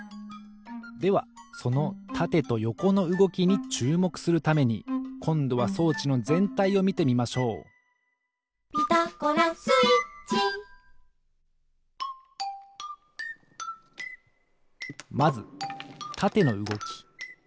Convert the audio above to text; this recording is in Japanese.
ではそのたてとよこのうごきにちゅうもくするためにこんどは装置のぜんたいをみてみましょう「ピタゴラスイッチ」まずたてのうごき。